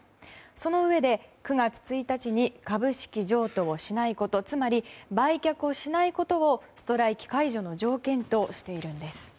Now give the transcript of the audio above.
そのうえで、９月１日に株式譲渡をしないことつまり売却をしないことをストライキ解除の条件としているんです。